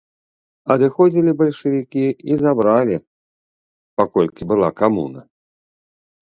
Адыходзілі бальшавікі і забралі, паколькі была камуна.